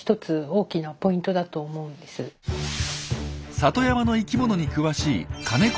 里山の生きものに詳しい金子